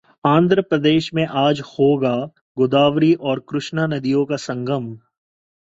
आंध्र प्रदेश में आज होगा गोदावरी और कृष्णा नदियों का संगम